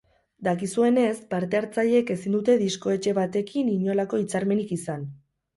Dakizuenez, parte hartzaileek ezin dute diskoetxe batekin inolako hitzarmenik izan.